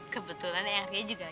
kebetulannya yang berbahaya juga lagi